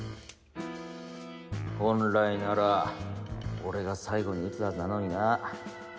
本来なら俺が最後に打つはずなのにな。